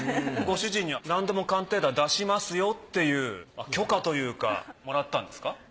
ご主人には「なんでも鑑定団」出しますよっていう許可というかもらったんですか？